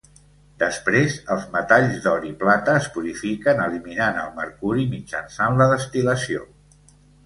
Després els metalls d'or i plata es purifiquen eliminant el mercuri mitjançant la destil·lació.